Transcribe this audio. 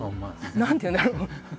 何ていうんだろう